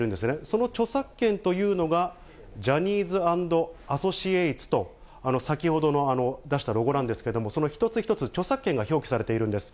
その著作権というのがジャニーズ＆アソシエイツと、先ほどの出したロゴなんですけれども、その一つ一つ、著作権が表記されているんです。